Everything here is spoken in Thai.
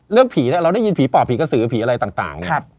เรื่องผีเราได้ยินผีป่าผีกะสือผีอะไรต่าง